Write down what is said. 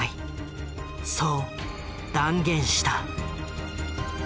そう断言した。